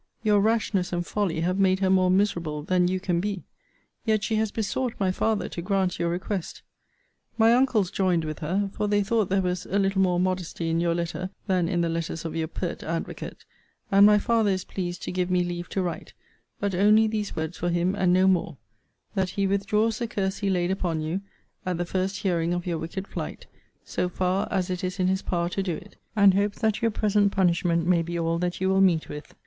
Your rashness and folly have made her more miserable than you can be. Yet she has besought my father to grant your request. My uncles joined with her: for they thought there was a little more modesty in your letter than in the letters of your pert advocate: and my father is pleased to give me leave to write; but only these words for him, and no more: 'That he withdraws the curse he laid upon you, at the first hearing of your wicked flight, so far as it is in his power to do it; and hopes that your present punishment may be all that you will meet with.